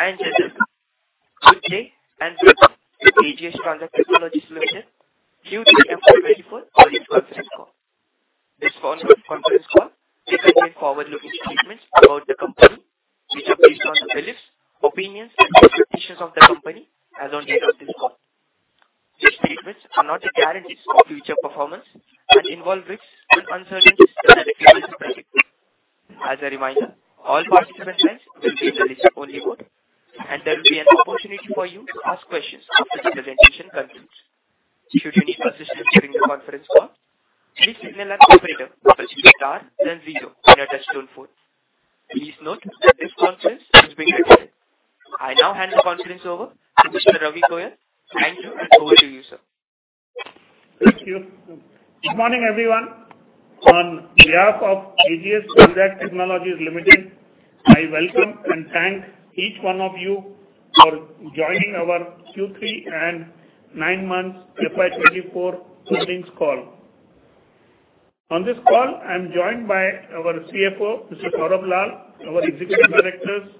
Ladies and gentlemen, good day, and welcome to AGS Transact Technologies Limited Q3 FY24 earnings conference call. This conference call may contain forward-looking statements about the company, which are based on the beliefs, opinions, and expectations of the company as on date of this call. These statements are not guarantees of future performance and involve risks and uncertainties that are difficult to predict. As a reminder, all participant lines will be in a listen-only mode, and there will be an opportunity for you to ask questions after the presentation concludes. Should you need assistance during the conference call, please signal our operator by pressing star then zero on your touchtone phone. Please note that this conference is being recorded. I now hand the conference over to Mr. Ravi Goyal. Thank you, and over to you, sir. Thank you. Good morning, everyone. On behalf of AGS Transact Technologies Limited, I welcome and thank each one of you for joining our Q3 and nine months FY 2024 earnings call. On this call, I'm joined by our CFO, Mr. Saurabh Lal, our executive directors,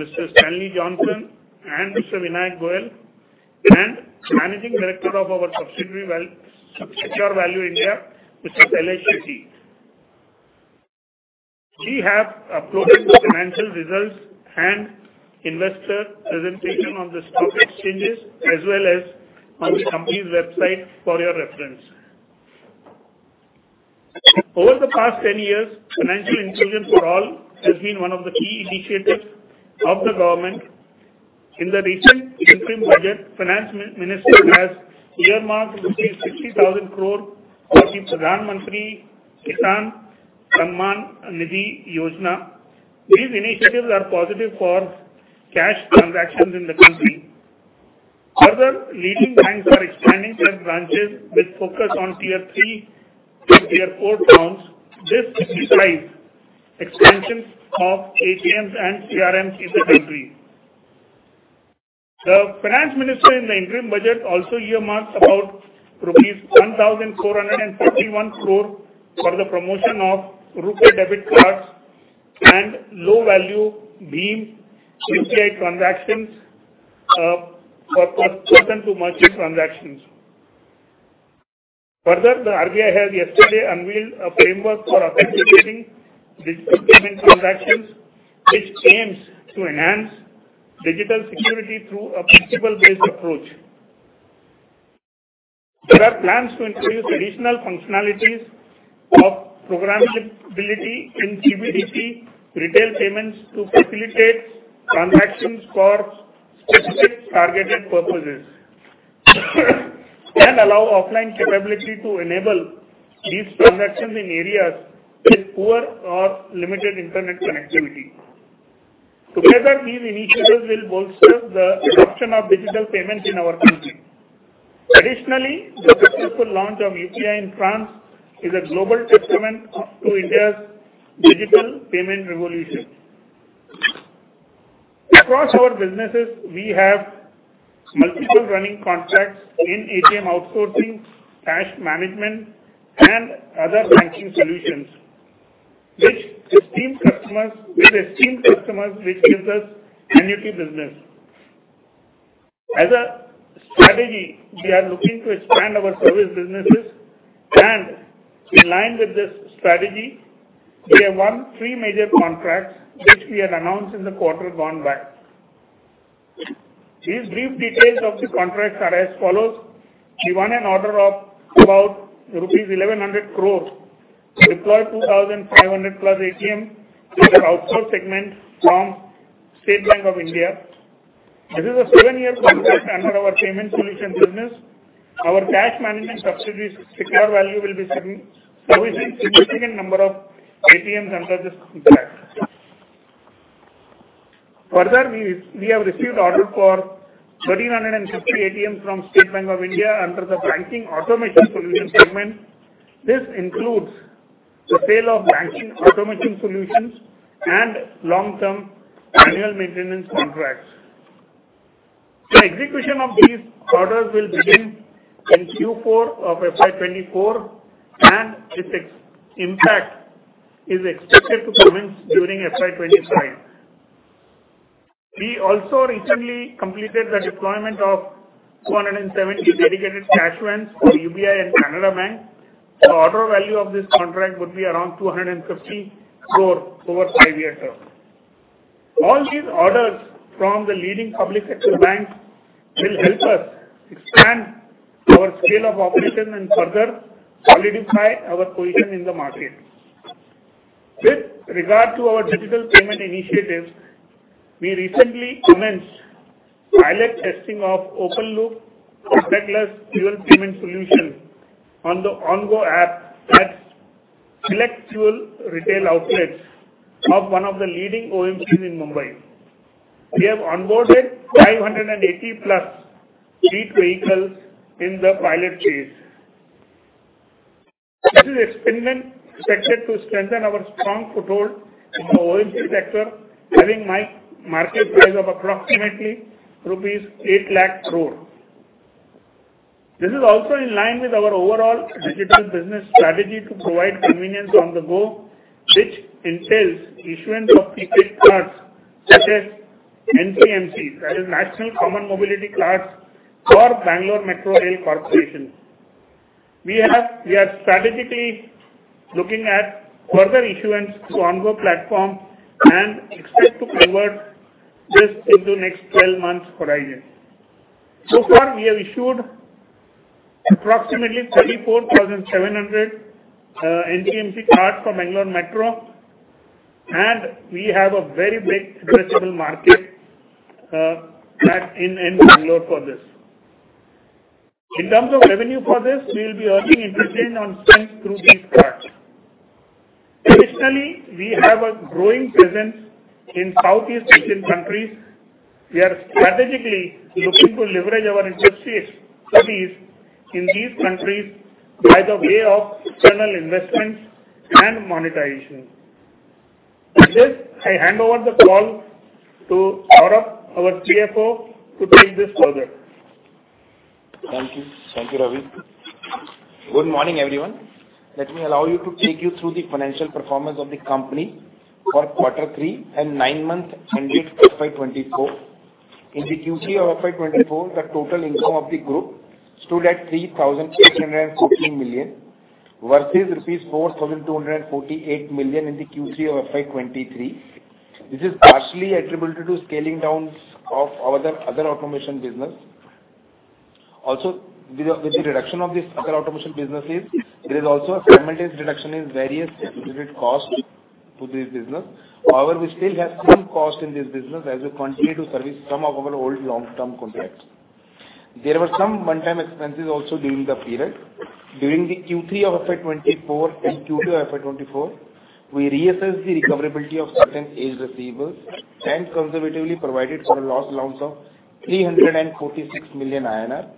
Mr. Stanley Johnson and Mr. Vinayak Goyal, and Managing Director of our subsidiary Securevalue India Limited, Mr. Shailesh Shetty. We have uploaded the financial results and investor presentation on the stock exchanges, as well as on the company's website for your reference. Over the past ten years, financial inclusion for all has been one of the key initiatives of the government. In the recent interim budget, finance minister has earmarked INR 60,000 crore for the Pradhan Mantri Kisan Samman Nidhi Yojana. These initiatives are positive for cash transactions in the country. Further, leading banks are expanding their branches with focus on tier three and tier four towns. This will drive expansions of ATMs and CRMs in the country. The Finance Minister in the interim budget also earmarks about rupees 1,451 crore for the promotion of RuPay debit cards and low-value BHIM UPI transactions, for person-to-merchant transactions. Further, the RBI has yesterday unveiled a framework for authenticating digital payment transactions, which aims to enhance digital security through a principle-based approach. There are plans to introduce additional functionalities of programmability in CBDC retail payments to facilitate transactions for specific targeted purposes, and allow offline capability to enable these transactions in areas with poor or limited internet connectivity. Together, these initiatives will bolster the adoption of digital payments in our country. Additionally, the successful launch of UPI in France is a global testament to India's digital payment revolution. Across our businesses, we have multiple running contracts in ATM outsourcing, cash management, and other banking solutions with esteemed customers, which gives us annuity business. As a strategy, we are looking to expand our service businesses, and in line with this strategy, we have won three major contracts, which we had announced in the quarter gone by. These brief details of the contracts are as follows: We won an order of about rupees 1,100 crore to deploy 2,500+ ATMs in the outsource segment from State Bank of India. This is a seven-year contract under our payment solution business. Our cash management subsidiary, Securevalue, will be servicing significant number of ATMs under this contract. Further, we have received order for 1,350 ATMs from State Bank of India under the banking automation solution segment. This includes the sale of banking automation solutions and long-term annual maintenance contracts. The execution of these orders will begin in Q4 of FY 2024, and its impact is expected to commence during FY 2025. We also recently completed the deployment of 270 dedicated cash vans for UBI and Canara Bank. The order value of this contract would be around 250 crore over five-year term. All these orders from the leading public sector banks will help us expand our scale of operation and further solidify our position in the market. With regard to our digital payment initiatives, we recently commenced pilot testing of open loop, contactless fuel payment solution on the Ongo app at select fuel retail outlets of one of the leading OMCs in Mumbai. We have onboarded 580+ fleet vehicles in the pilot phase. This expansion is expected to strengthen our strong foothold in the OMC sector, having a market size of approximately rupees 800,000 crore. This is also in line with our overall digital business strategy to provide convenience on the go, which entails issuance of prepaid cards such as NCMC, that is, National Common Mobility Cards, for Bangalore Metro Rail Corporation. We are strategically looking at further issuance to Ongo platform and expect to convert this into next 12 months horizon. So far, we have issued approximately 34,700 NCMC cards for Bangalore Metro, and we have a very big addressable market in Bangalore for this. In terms of revenue for this, we will be earning interest income on spend through these cards. Additionally, we have a growing presence in Southeast Asian countries. We are strategically looking to leverage our expertise in these countries by way of external investments and monetization. With this, I hand over the call to Saurabh, our CFO, to take this further. Thank you. Thank you, Ravi. Good morning, everyone. Let me take you through the financial performance of the company for quarter three and nine months ended FY 2024. In the Q3 of FY 2024, the total income of the group stood at INR 3,814 million, versus INR 4,248 million in the Q3 of FY 2023. This is partially attributable to scaling down of our other automation business. Also, with the reduction of this other automation businesses, there is also a simultaneous reduction in various distributed costs to this business. However, we still have some cost in this business as we continue to service some of our old long-term contracts. There were some one-time expenses also during the period. During the Q3 of FY 2024 and Q2 of FY 2024, we reassessed the recoverability of certain aged receivables and conservatively provided for a loss allowance of 346 million INR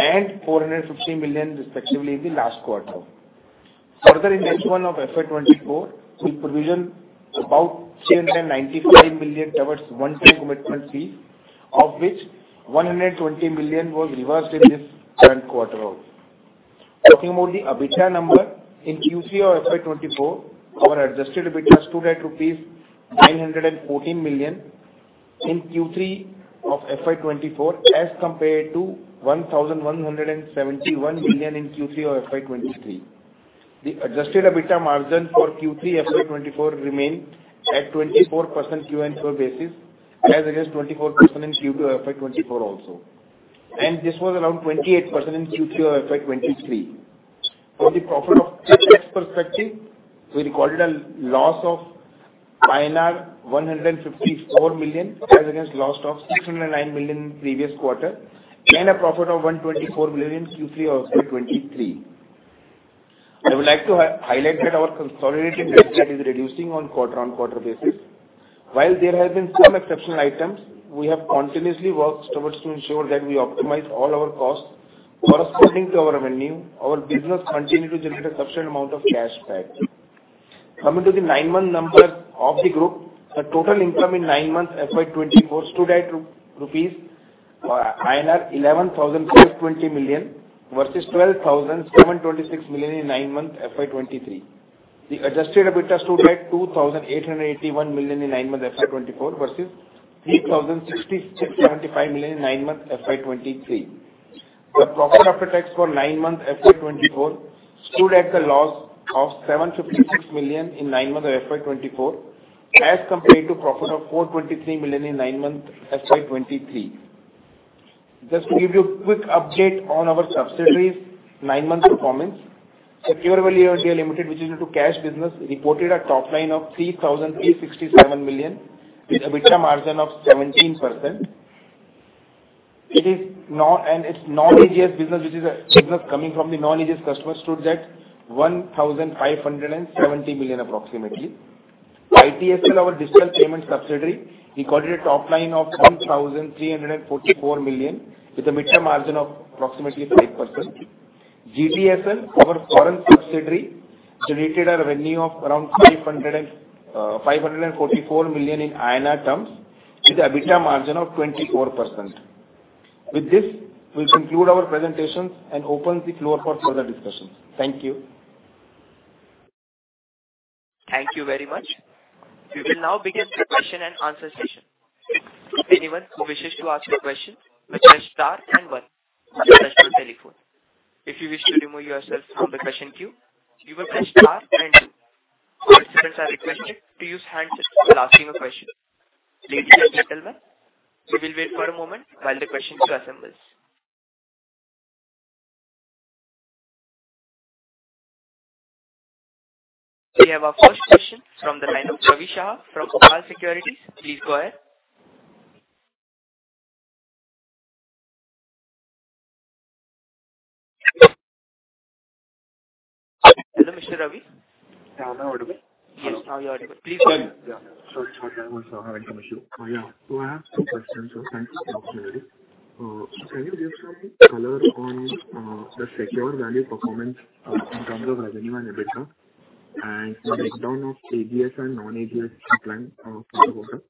and 450 million, respectively, in the last quarter. Further, in Q1 of FY 2024, we provisioned about 393 million towards one-time commitment fees, of which 120 million was reversed in this current quarter. Talking about the EBITDA number, in Q3 of FY 2024, our adjusted EBITDA stood at rupees 914 million in Q3 of FY 2024, as compared to 1,171 million in Q3 of FY 2023. The adjusted EBITDA margin for Q3 FY 2024 remained at 24% QoQ basis, as against 24% in Q2 FY 2024 also. This was around 28% in Q3 of FY 2023. For the profit of tax perspective, we recorded a loss of 154 million, as against loss of 609 million previous quarter, and a profit of 124 million in Q3 of FY 2023. I would like to highlight that our consolidated debt is reducing on quarter-on-quarter basis. While there have been some exceptional items, we have continuously worked towards to ensure that we optimize all our costs corresponding to our revenue. Our business continue to generate a substantial amount of cash back. Coming to the nine-month numbers of the group, the total income in nine months, FY 2024, stood at rupees, INR 11,520 million, versus INR 12,726 million in nine months, FY 2023. The adjusted EBITDA stood at INR 2,881 million in nine months, FY 2024, versus INR 3,067.5 million in nine months, FY 2023. The profit after tax for nine months, FY 2024, stood at a loss of 756 million in nine months of FY 2024, as compared to profit of 423 million in nine months, FY 2023. Just to give you a quick update on our subsidiaries' nine-month performance. Securevalue India Limited, which is into cash business, reported a top line of 3,367 million, with EBITDA margin of 17%. And its non-AGS business, which is a business coming from the non-AGS customers, stood at 1,570 million, approximately. ITSL, our digital payment subsidiary, recorded a top line of 1,344 million, with an EBITDA margin of approximately 5%. Global Transact Services Pte. Ltd., our foreign subsidiary, generated a revenue of around 354 million in INR terms, with an EBITDA margin of 24%. With this, we'll conclude our presentation and open the floor for further discussions. Thank you. Thank you very much. We will now begin the question and answer session. Anyone who wishes to ask a question, press star and one on your telephone. If you wish to remove yourself from the question queue, you will press star and two. Participants are requested to use hands while asking a question. Ladies and gentlemen, we will wait for a moment while the questions are assembled. We have our first question from the line of Ravi Shah from Opal Securities. Please go ahead. Hello, Mr. Ravi. Yeah, am I audible? Yes, now you are audible. Please go ahead. Yeah, sure. Sorry, I was having some issue. Yeah, so I have some questions. So thank you for the opportunity. Can you give some color on the Securevalue performance in terms of revenue and EBITDA, and the breakdown of AGS and non-AGS pipeline for the quarter?...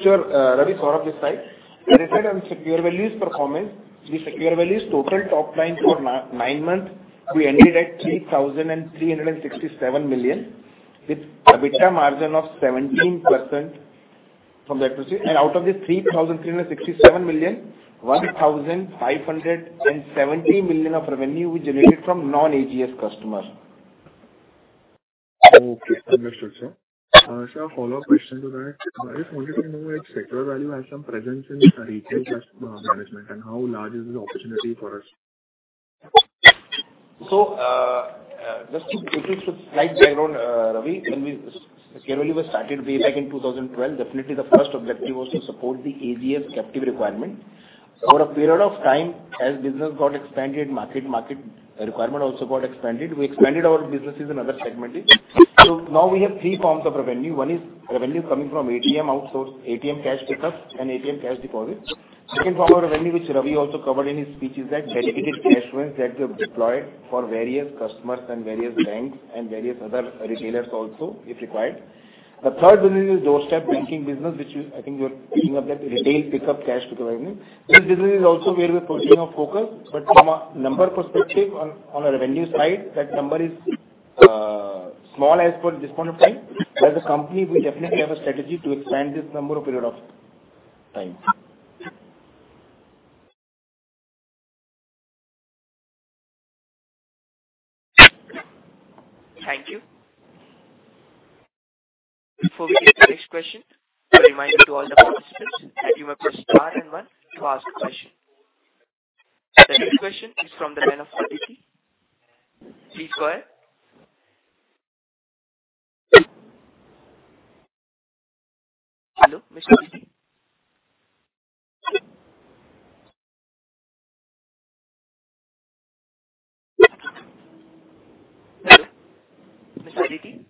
Sure, Ravi, Saurabh this side. As I said, on Securevalue's performance, the Securevalue's total top line for nine months, we ended at 3,367 million, with a EBITDA margin of 17% from that position. And out of this 3,367 million, 1,570 million of revenue we generated from non-AGS customers. Okay, understood, sir. Sir, a follow-up question to that. I just wanted to know if Securevalue has some presence in retail risk management, and how large is the opportunity for us? So, just to circle around, Ravi, when Securevalue was started way back in 2012, definitely the first objective was to support the AGS captive requirement. Over a period of time, as business got expanded, market requirement also got expanded. We expanded our businesses in other segment. So now we have three forms of revenue. One is revenue coming from ATM outsourcing, ATM cash pickup, and ATM cash deposit. Second form of revenue, which Ravi also covered in his speech, is dedicated cash vans that we have deployed for various customers and various banks and various other retailers also, if required. The third business is doorstep banking business, which is, I think you're speaking of that, retail pickup, cash to the bank. This business is also where we're putting our focus, but from a number perspective on a revenue side, that number is small as per this point of time. The company will definitely have a strategy to expand this number over a period of time. Thank you. Before we get to the next question, a reminder to all the participants that you may press star and one to ask a question. The next question is from the line of [Aditi]. Please go ahead. Hello, Ms. [Aditi]? Hello, Ms. [Aditi]?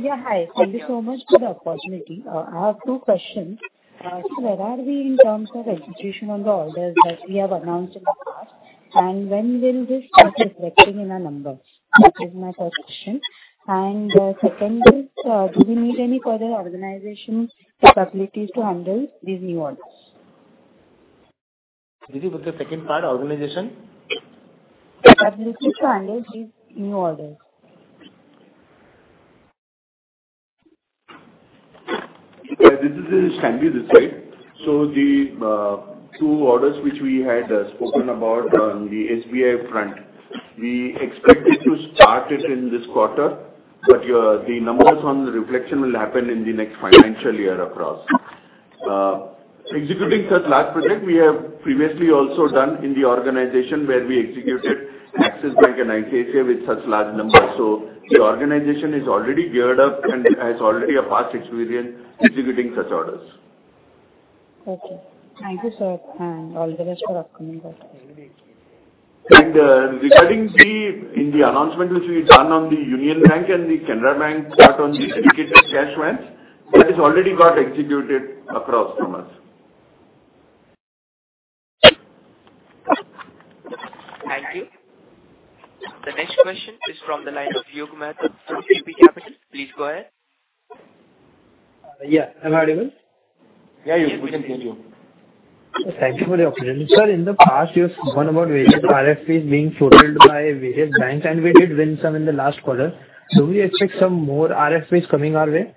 Yeah, hi. Thank you so much for the opportunity. I have two questions. So where are we in terms of execution on the orders that we have announced in the past, and when will this start reflecting in our numbers? That is my first question. And second is, do we need any further organization capabilities to handle these new orders? Aditi, what's the second part, organization? Capabilities to handle these new orders. Yeah, this is Stanley this side. So the two orders which we had spoken about on the SBI front, we expect it to start it in this quarter, but your... The numbers on the reflection will happen in the next financial year across. Executing such large project, we have previously also done in the organization, where we executed Axis Bank and ICICI with such large numbers. So the organization is already geared up and has already a past experience executing such orders. Okay. Thank you, sir, and all the best for upcoming quarters. Regarding the announcement which we've done on the Union Bank and the Canara Bank start on the dedicated cash vans, that is already got executed across from us. Thank you. The next question is from the line of [Yug Mehta from NewBerry Capital]. Please go ahead. Yeah, available? Yeah, we can hear you. Thank you for the opportunity. Sir, in the past, you've spoken about various RFPs being floated by various banks, and we did win some in the last quarter. Do we expect some more RFPs coming our way?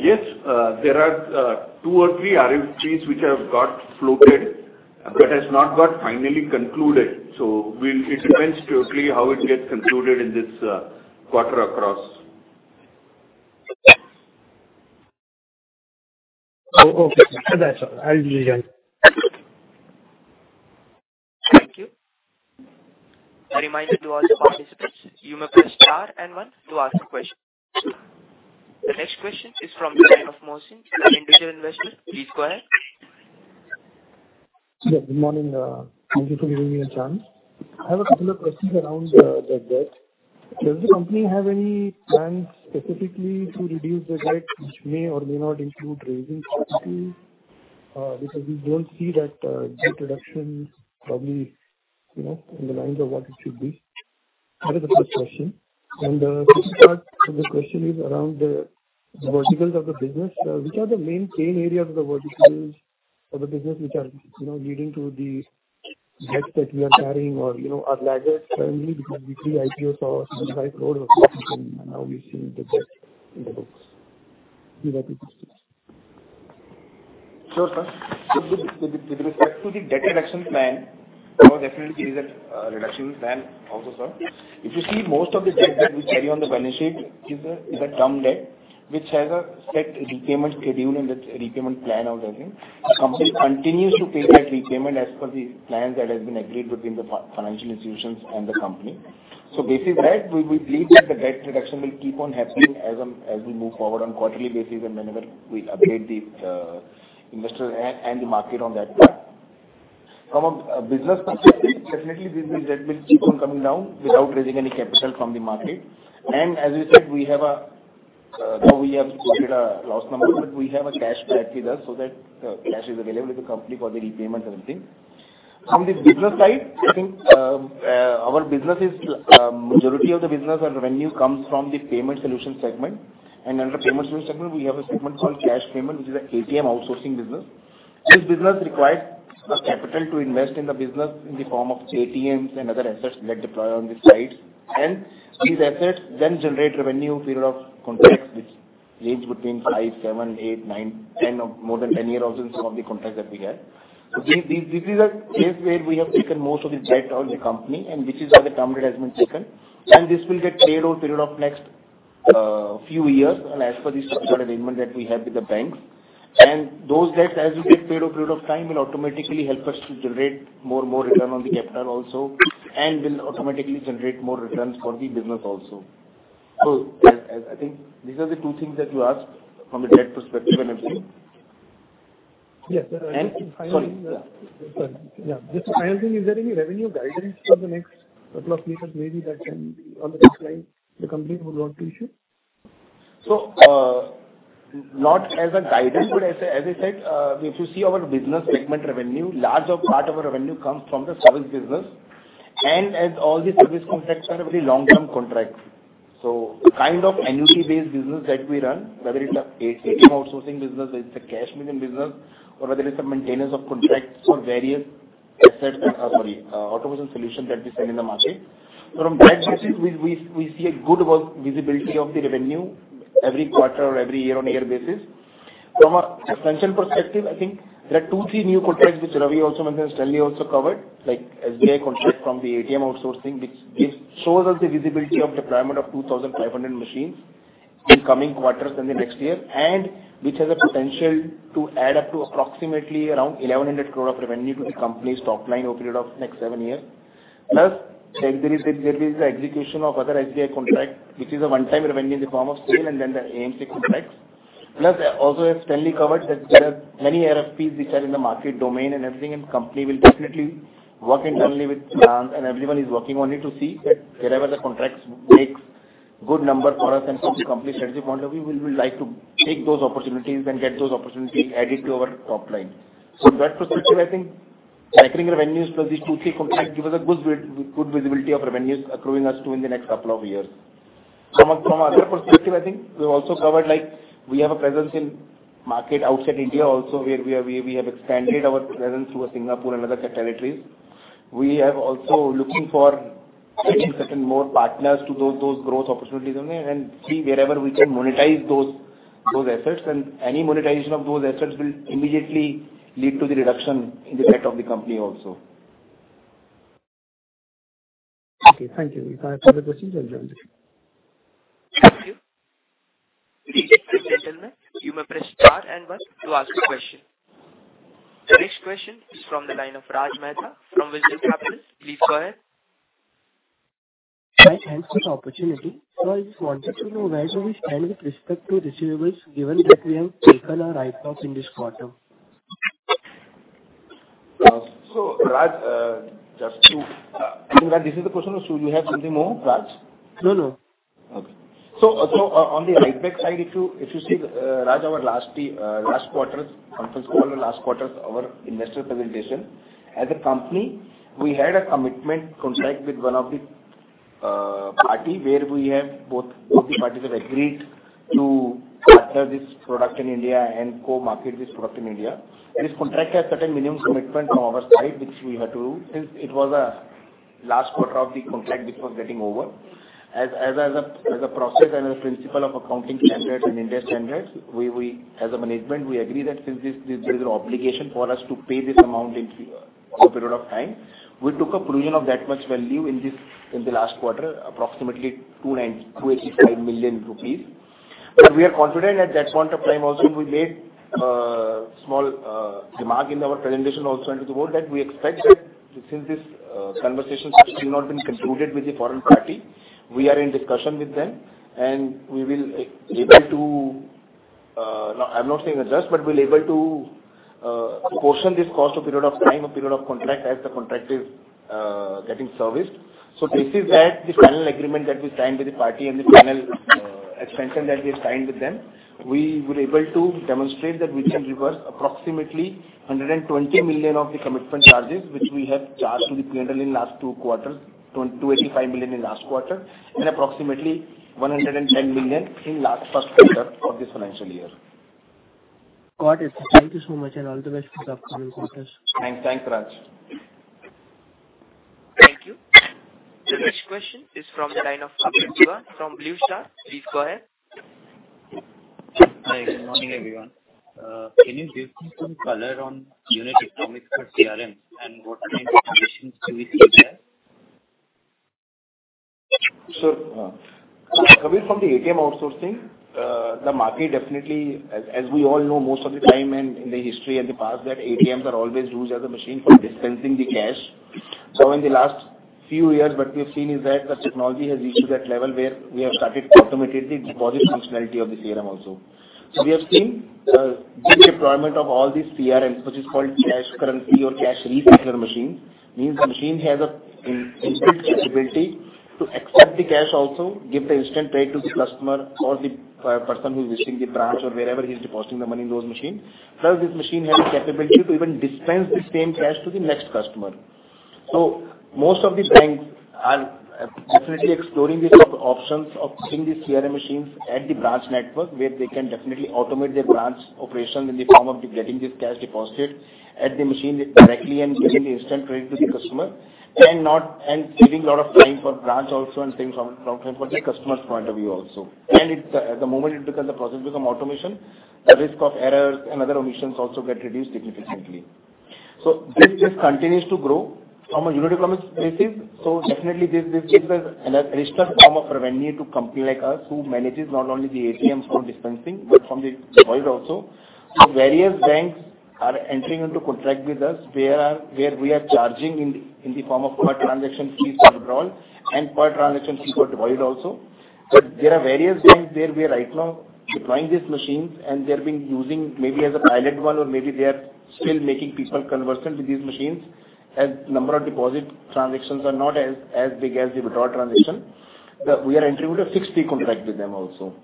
Yes, there are two or three RFPs which have got floated, but has not got finally concluded. So, we'll, it depends totally how it gets concluded in this quarter across. Oh, okay. That's all. I'll leave it then. Thank you. A reminder to all the participants, you may press star and one to ask a question. The next question is from the line of Mohsin, an individual investor. Please go ahead. Yeah, good morning. Thank you for giving me a chance. I have a couple of questions around the debt. Does the company have any plans specifically to reduce the debt, which may or may not include raising equity? Because we don't see that debt reduction probably, you know, in the lines of what it should be. That is the first question. Second part of the question is around the verticals of the business. Which are the main pain areas of the verticals of the business, which are, you know, leading to the debt that we are carrying or, you know, are lagging currently because the three IPOs are large road, and now we've seen the debt in the books. Sure, sir. So with respect to the debt reduction plan, we will definitely see that reduction plan also, sir. If you see, most of the debt that we carry on the balance sheet is a term debt, which has a set repayment schedule and its repayment plan out there. The company continues to pay that repayment as per the plan that has been agreed between the financial institutions and the company. So this is where we believe that the debt reduction will keep on happening as we move forward on quarterly basis, and whenever we update the investors and the market on that part. From a business perspective, definitely the debt will keep on coming down without raising any capital from the market. And as I said, we have a-... So we have quoted a loss number, but we have a cash back with us so that cash is available to the company for the repayment and everything. From the business side, I think our business is majority of the business and revenue comes from the payment solution segment. Under payment solution segment, we have a segment called cash payment, which is an ATM outsourcing business. This business requires the capital to invest in the business in the form of ATMs and other assets that deploy on the site. These assets then generate revenue period of contracts, which range between 5, 7, 8, 9, 10, or more than 10 years also some of the contracts that we have. So this, this is a place where we have taken most of the debt of the company, and this is where the term debt has been taken, and this will get paid over a period of next few years, and as per the structure arrangement that we have with the banks. And those debts, as we get paid over a period of time, will automatically help us to generate more and more return on the capital also, and will automatically generate more returns for the business also. So I, I think these are the two things that you asked from a debt perspective and everything. Yes, sir. Sorry, yeah. Yeah. Just finally, is there any revenue guidance for the next couple of quarters, maybe that can, on the next line, the company would want to issue? So, not as a guidance, but as I, as I said, if you see our business segment revenue, large part of our revenue comes from the service business. And as all the service contracts are very long-term contracts, so the kind of annuity-based business that we run, whether it's ATM outsourcing business, or it's a cash business, or whether it's maintenance of contracts for various assets, sorry, automation solution that we sell in the market. So from that basis, we, we, we see a good work visibility of the revenue every quarter or every year-on-year basis. From a potential perspective, I think there are 2, 3 new contracts which Ravi also mentioned, Stanley also covered, like SBI contract from the ATM outsourcing, which is, shows us the visibility of deployment of 2,500 machines in coming quarters in the next year, and which has a potential to add up to approximately around 1,100 crore of revenue to the company's top line over a period of next 7 years. Plus, there is the execution of other SBI contract, which is a one-time revenue in the form of sale and then the AMC contracts. Plus, also as Stanley covered, that there are many RFPs which are in the market domain, and everything, and company will definitely work internally with clients, and everyone is working on it to see that wherever the contracts makes good number for us and for the company strategy point of view, we will like to take those opportunities and get those opportunities added to our top line. So in that perspective, I think, I think revenues plus these 2, 3 contracts give us a good visibility of revenues accruing us to in the next couple of years. From another perspective, I think we've also covered, like, we have a presence in market outside India also, where we have expanded our presence through Singapore and other territories. We have also looking for certain more partners to those growth opportunities only and see wherever we can monetize those assets. Any monetization of those assets will immediately lead to the reduction in the debt of the company also. Okay, thank you. We have other questions as well. Thank you. Ladies and gentlemen, you may press star and one to ask a question. The next question is from the line of [Raj Mehta from Visa Capital]. Please go ahead. Hi, thanks for the opportunity. I just wanted to know where do we stand with respect to receivables, given that we have taken a write-off in this quarter? So, Raj, just to... I think, Raj, this is the question or so you have something more, Raj? No, no. Okay. So, so on the write-back side, if you, if you see, Raj, our last three, last quarter's conference call and last quarter's, our investor presentation, as a company, we had a commitment contract with one of the, party, where we have both, both the parties have agreed to capture this product in India and co-market this product in India. This contract has certain minimum commitment from our side, which we have to since it was a last quarter of the contract, which was getting over. As, as a, as a process and a principle of accounting standards and industry standards, we, we, as a management, we agree that since this, this is an obligation for us to pay this amount in a period of time, we took a provision of that much value in this, in the last quarter, approximately 285 million rupees. But we are confident at that point of time also, we made a small remark in our presentation also to the board, that we expect that since this conversation has not been concluded with the foreign party, we are in discussion with them, and we will be able to, I'm not saying adjust, but we'll able to portion this cost a period of time, a period of contract, as the contract is getting serviced. So this is at the final agreement that we signed with the party and the final expansion that we have signed with them. We will be able to demonstrate that we can reverse approximately 120 million of the commitment charges, which we have charged in the P&L in last two quarters, 228.5 million in last quarter, and approximately 110 million in last first quarter of this financial year. Got it. Thank you so much, and all the best with your coming quarters. Thanks. Thanks, Raj. Thank you. The next question is from the line of [Amir Dhawan from Blue Star]. Please go ahead. Hi, good morning, everyone. Can you give me some color on unit economics for CRM and what kind of definitions do we see there? So, coming from the ATM outsourcing, the market definitely, as we all know, most of the time and in the history and the past, that ATMs are always used as a machine for dispensing the cash. So in the last few years, what we have seen is that the technology has reached to that level where we have started automatically for the functionality of the CRM also. So we have seen, the deployment of all these CRMs, which is called cash recycler machine, means the machine has an instant capability to accept the cash also, give the instant pay to the customer or the person who is visiting the branch or wherever he's depositing the money in those machine. Plus, this machine has the capability to even dispense the same cash to the next customer. So most of the banks are definitely exploring these options of putting these CRM machines at the branch network, where they can definitely automate their branch operation in the form of getting this cash deposited at the machine directly and giving the instant credit to the customer, and saving a lot of time for branch also and saving some time from the customer's point of view also. And the moment it becomes a process because of automation, the risk of errors and other omissions also get reduced significantly. So this just continues to grow from a unit economics basis. So definitely, this, this is a registered form of revenue to company like us, who manages not only the ATMs for dispensing, but from the deposit also. So various banks are entering into contract with us, where we are charging in the form of per transaction fee for withdrawal and per transaction fee for deposit also. But there are various banks where we are right now deploying these machines, and they're being using maybe as a pilot one, or maybe they are still making people conversant with these machines, as number of deposit transactions are not as big as the withdrawal transaction. But we are entering into a fixed fee contract with them also.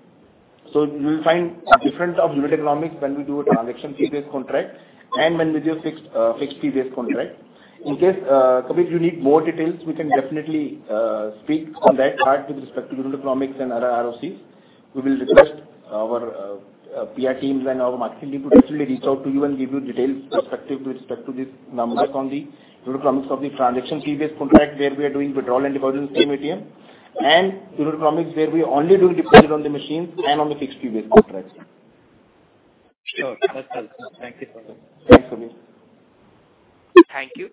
So you will find a difference of unit economics when we do a transaction fee-based contract and when we do a fixed fee-based contract. In case if you need more details, we can definitely speak on that part with respect to unit economics and our ROCs. We will request our PR teams and our marketing team to definitely reach out to you and give you details respective with respect to these numbers on the unit economics of the transaction fee-based contract, where we are doing withdrawal and deposit in the same ATM, and unit economics, where we are only doing deposit on the machines and on the fixed fee-based contracts. Sure. That's all. Thank you, sir. Thanks, Amir. Thank you.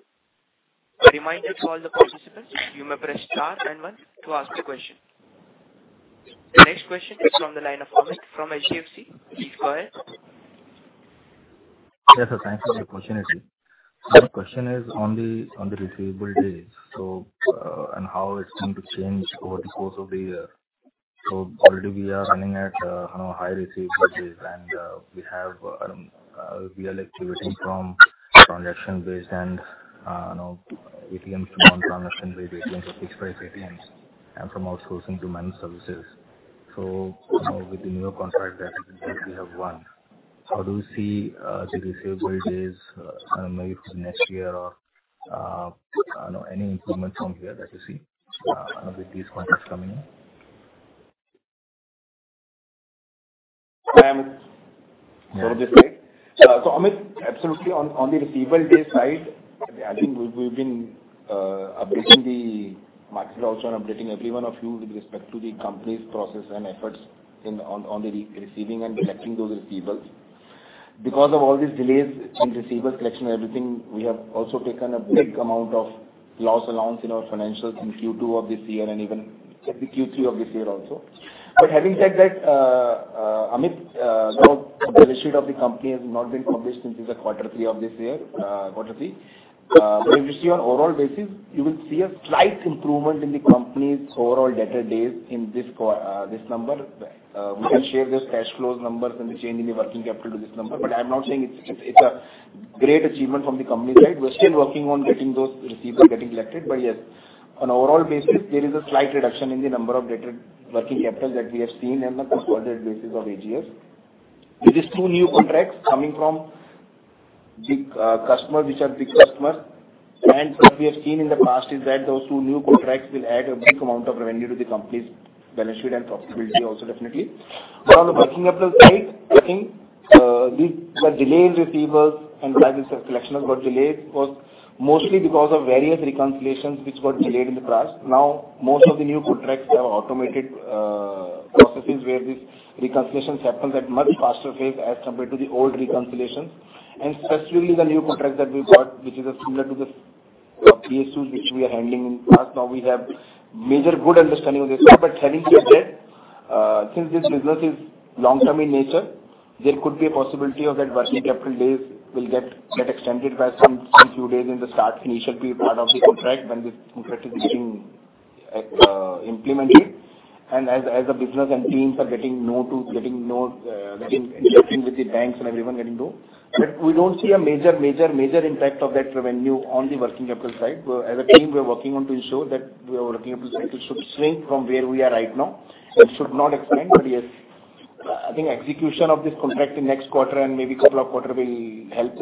A reminder to all the participants, you may press star and one to ask a question. The next question is from the line of Amit, from HDFC Securities. Yes, sir, thanks for the opportunity. My question is on the receivable days and how it's going to change over the course of the year. So already we are running at high receivable days, and we have real activity from transaction-based and you know, ATMs from transaction-based ATMs and from outsourcing to cash management services. So with the new contract that we have won, how do you see the receivable days maybe next year or I don't know, any improvement from here that you see with these contracts coming in? I am- Yeah. So, Amit, absolutely, on the receivable days side, I think we've been updating the market also and updating every one of you with respect to the company's process and efforts in on receiving and collecting those receivables. Because of all these delays in receivable collection and everything, we have also taken a big amount of loss allowance in our financials in Q2 of this year and even maybe Q3 of this year also. But having said that, Amit, you know, the balance sheet of the company has not been published since quarter three of this year, quarter three. But if you see on overall basis, you will see a slight improvement in the company's overall debtor days in this quarter, this number. We can share this cash flows numbers and the change in the working capital to this number, but I'm not saying it's, it's a great achievement from the company side. We're still working on getting those receivables getting collected. But yes, on overall basis, there is a slight reduction in the number of debtor working capital that we have seen on a consolidated basis of AGS. With these two new contracts coming from big, customers, which are big customers, and what we have seen in the past is that those two new contracts will add a big amount of revenue to the company's balance sheet and profitability also, definitely. On the working capital side, I think, we were delayed in receivables and collections got delayed, was mostly because of various reconciliations which got delayed in the past. Now, most of the new contracts have automated processes, where the reconciliations happen at much faster pace as compared to the old reconciliations. Especially the new contract that we got, which is similar to the PSU, which we are handling in the past. Now, we have major good understanding of this, but having said that, since this business is long-term in nature, there could be a possibility of that working capital days will get extended by some few days in the start, initial part of the contract, when this contract is getting implemented. As the business and teams are getting to know... getting interacting with the banks and everyone getting to know. But we don't see a major impact of that revenue on the working capital side. We're as a team, we are working on to ensure that we are working capital side, it should shrink from where we are right now. It should not expand, but yes, I think execution of this contract in next quarter and maybe couple of quarter will help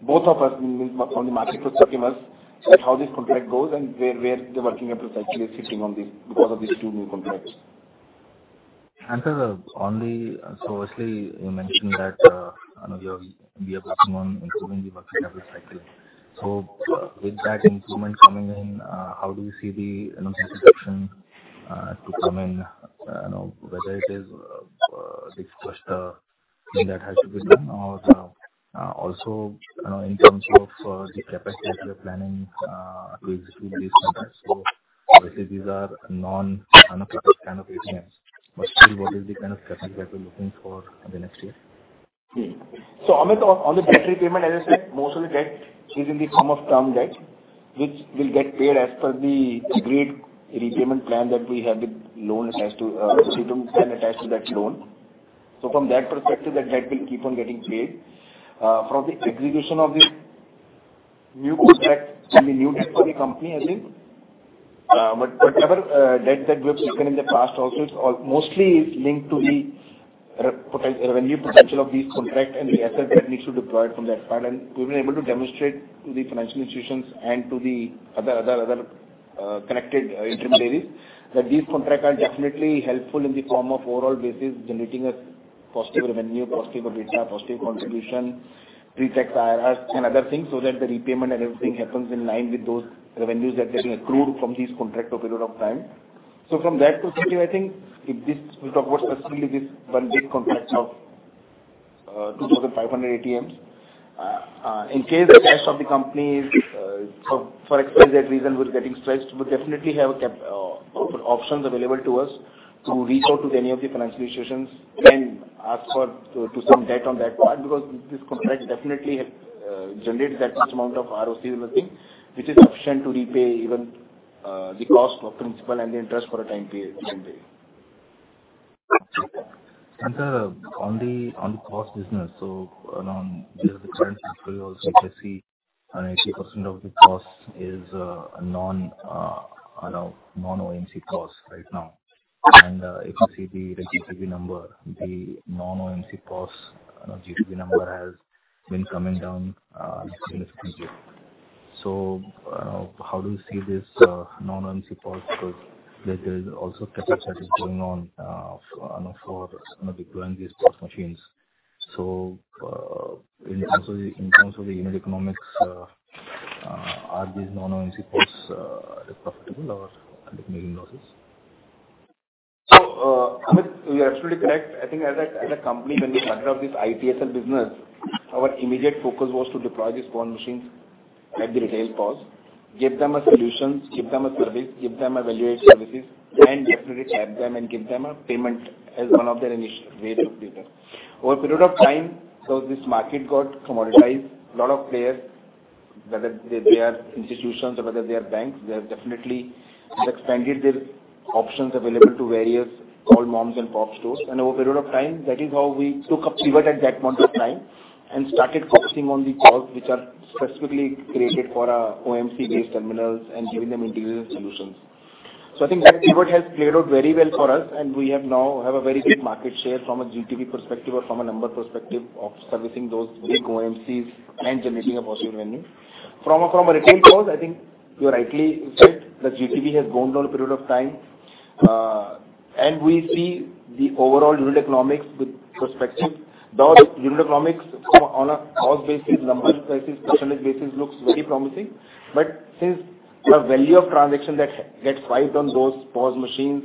both of us on the market participants, how this contract goes and where, where the working capital actually sitting on this because of these two new contracts. Sir, on the, so obviously, you mentioned that, you know, we are working on improving the working capital cycle. So with that improvement coming in, how do you see the, you know, reduction, to come in? You know, whether it is, the first, thing that has to be done or, also, in terms of, the capacity you're planning, to execute this contract. So these are non-kind of ATMs, but still, what is the kind of capacity that we're looking for in the next year? So, Amit, on the debt repayment, as I said, most of the debt is in the form of term debt, which will get paid as per the agreed repayment plan that we have with the lenders as to attached to that loan. So from that perspective, the debt will keep on getting paid. From the execution of the new contract will be new debt for the company, I think. But whatever debt that we have taken in the past also, it's all mostly linked to the revenue potential of these contracts and the assets that need to be deployed from that part. We've been able to demonstrate to the financial institutions and to the connected intermediaries, that these contracts are definitely helpful in the form of overall basis, generating a positive revenue, positive EBITDA, positive contribution, pre-tax IRRs and other things, so that the repayment and everything happens in line with those revenues that getting accrued from this contract over period of time. So from that perspective, I think if this, we talk about specifically this one big contract of 2,500 ATMs, in case the cash of the company is, for X, Y, Z reason, was getting stretched, we definitely have a cap, options available to us to reach out to any of the financial institutions and ask for, to, to some debt on that part, because this contract definitely, generates that much amount of ROC kind of thing, which is sufficient to repay even, the cost of principal and the interest for a time period, time being. Sir, on the cost business, so on the current quarter, you see 80% of the cost is a non-OMC cost right now. And if you see the GTV number, the non-OMC cost on GTV number has been coming down significantly. So how do you see this non-OMC cost? Because there is also pressure that is going on, you know, for the brand new POS machines. So in terms of the unit economics, are these non-OMC costs profitable or making losses? So, Amit, you're absolutely correct. I think as a, as a company, when we started off this ITSL business, our immediate focus was to deploy these POS machines at the retail cost, give them a solution, give them a service, give them a valued services, and definitely cap them and give them a payment as one of their initial way to do that. Over a period of time, so this market got commoditized. A lot of players, whether they, they are institutions or whether they are banks, they have definitely expanded their options available to various small moms and pop stores. And over a period of time, that is how we took a pivot at that point of time and started focusing on the costs which are specifically created for our OMC-based terminals and giving them individual solutions. So I think that pivot has played out very well for us, and we now have a very big market share from a GTV perspective or from a number perspective of servicing those big OMCs and generating a positive revenue. From a, from a retail POS, I think you rightly said, the GTV has gone down a period of time, and we see the overall unit economics with perspective. The unit economics on a cost basis, number basis, percentage basis, looks very promising. But since the value of transaction that gets swiped on those POS machines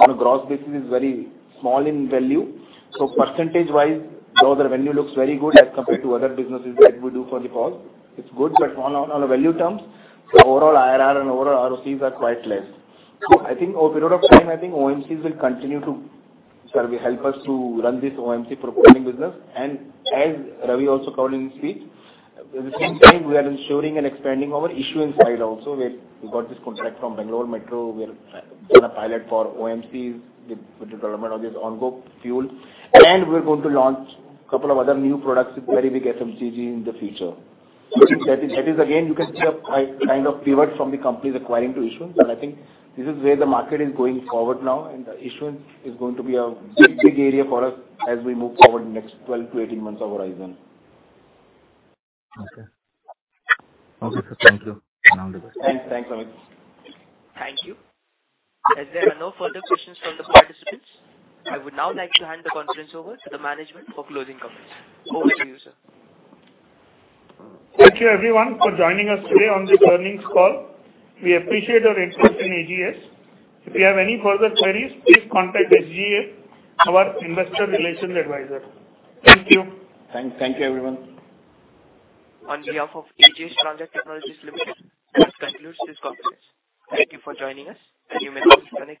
on a gross basis is very small in value, so percentage-wise, though the revenue looks very good as compared to other businesses that we do for the cost, it's good, but on a, on a value terms, the overall IRR and overall ROCs are quite less. So I think over a period of time, I think OMCs will continue to sort of help us to run this OMC profiling business. And as Ravi also called in his speech, at the same time, we are ensuring and expanding our issuance side also, where we got this contract from Bangalore Metro. We are doing a pilot for OMCs with the government on this Ongo fuel, and we're going to launch a couple of other new products with very big FMCG in the future. I think that is, that is again, you can see a kind of pivot from the company's acquiring to issuance, and I think this is where the market is going forward now, and the issuance is going to be a big, big area for us as we move forward in the next 12 to 18 months of our horizon. Okay. Okay, sir, thank you, and all the best. Thanks. Thanks, Amit. Thank you. As there are no further questions from the participants, I would now like to hand the conference over to the management for closing comments. Over to you, sir. Thank you, everyone, for joining us today on this earnings call. We appreciate your interest in AGS. If you have any further queries, please contact Strategic Growth Advisors, our investor relations advisor. Thank you. Thank you, everyone. On behalf of AGS Transact Technologies Limited, this concludes this conference. Thank you for joining us, and you may disconnect.